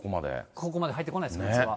ここまで入ってこないです、普通は。